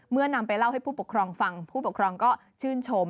นำไปเล่าให้ผู้ปกครองฟังผู้ปกครองก็ชื่นชม